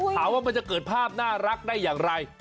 ถามว่ามันจะเกิดภาพน่ารักได้อย่างไร